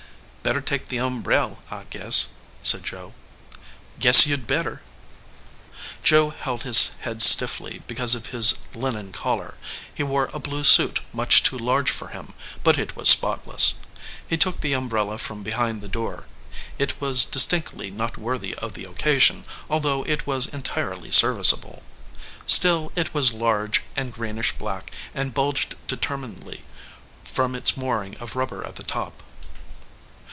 "Better take the umbreir, I guess," said Joe. "Guess you d better." Joe held his head stiffly because of his linen collar. He wore a blue suit much too large for him, but it was spotless. He took the umbrella from behind the door. It was distinctly not worthy of the occasion, although it was entirely service able. Still, it was large, and greenish black, and bulged determinedly from its mooring of rubber at the top.